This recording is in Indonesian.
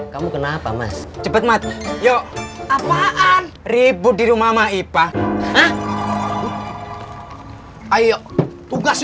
kamu kenapa mas cepet mati yo apaan ribut di rumah maipa ayo tugas yo